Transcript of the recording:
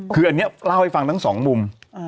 คืออันนี้เล่าให้ฟังทั้งสองมุม